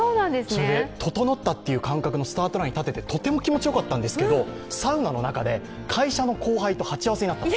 ととのったという感覚のスタートラインに立ててとても気持ちよかったんですけどサウナの中で会社の後輩と鉢合わせになった。